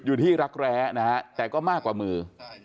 อยู่ที่รักแร้นะฮะแต่ก็มากกว่ามือ